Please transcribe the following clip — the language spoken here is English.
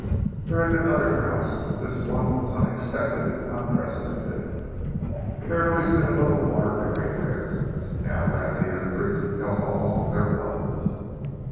There had been other droughts, but this one was unexpected unprecedented. There had always been a little water everywhere. Now Rabbit Ear Creek held all there was.